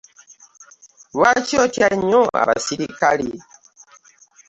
Lwaki otya nnyo abasirikale?